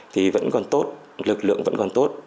thì vẫn còn tốt lực lượng vẫn còn tốt